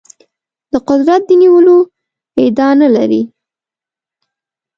د قدرت د نیولو ادعا نه لري.